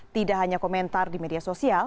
tidak hanya komentar di media sosial